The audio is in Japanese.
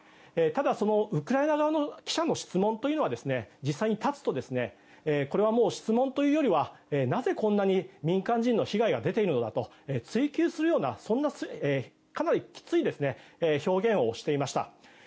ただ、そのウクライナ側の記者の質問というのは実際に立つとこれはもう質問というよりはなぜ、こんなに民間人の被害が出ているのだと追及するような、そんなかなりきつい表現をしていました。